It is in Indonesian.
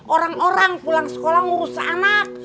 orang orang pulang sekolah ngurus anak